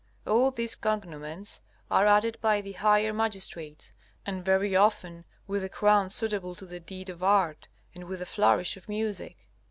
All these cognomens are added by the higher magistrates, and very often with a crown suitable to the deed or art, and with the flourish of music.